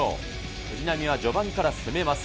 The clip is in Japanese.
藤波は序盤から攻めます。